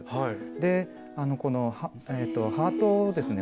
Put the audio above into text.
でこのハートをですね